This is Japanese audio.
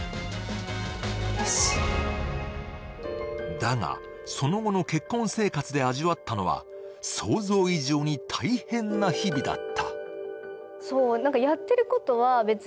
だが、その後の結婚生活で味わったのは、想像以上に大変な日々だった。